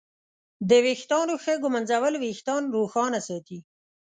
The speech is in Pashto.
د ویښتانو ښه ږمنځول وېښتان روښانه ساتي.